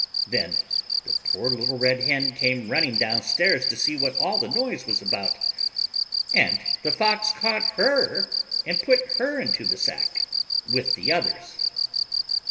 Then the poor little Red Hen came running down stairs to see what all the noise was about, and the Fox caught her and put her into the sack with the others.